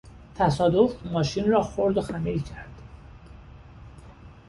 تصادف ماشین را خرد و خمیر کرد.